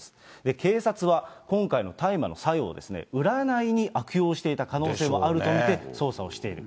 警察は今回の大麻の作用を、占いに悪用していた可能性もあると見て、捜査をしている。